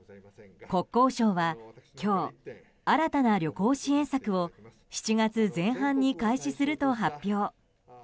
国交省は今日新たな旅行支援策を７月前半に開始すると発表。